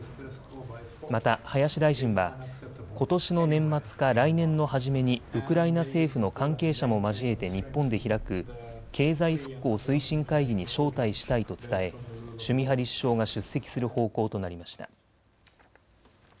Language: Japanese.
また林大臣はことしの年末か来年の初めにウクライナ政府の関係者も交えて日本で開く経済復興推進会議に招待したいと伝えシュミハリ首相が出席する方向となりました。